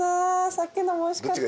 さっきのもおいしかったし。